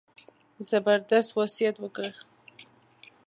زبردست وصیت وکړ.